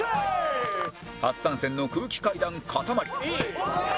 初参戦の空気階段かたまり